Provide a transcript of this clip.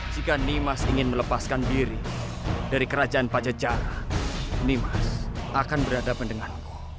jika nimas ingin melepaskan diri dari kerajaan pajajara nimas akan berada pendenganku